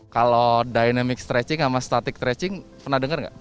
kalau dynamic stretching sama static stretching pernah dengar nggak